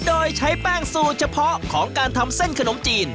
โดยใช้แป้งสูตรเฉพาะของการทำเส้นขนมจีน